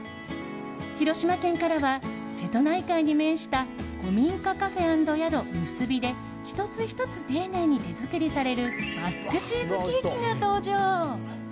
広島県からは瀬戸内海に面した古民家カフェ＆宿むすびで１つ１つ丁寧に手作りされるバスクチーズケーキが登場。